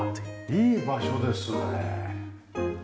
いい場所ですね。